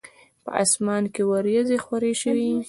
په اسمان کې وریځي خوری شوی